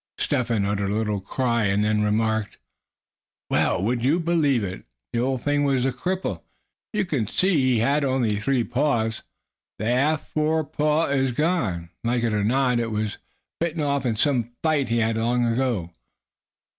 Step Hen uttered a little cry, and then remarked: "Well, would you believe it, the old thing was a cripple. You can see he only had three paws. The aft fore paw is gone. Like as not it was bitten off in some fight he had long ago."